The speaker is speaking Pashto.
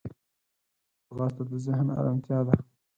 ځغاسته د ذهن ارمتیا ده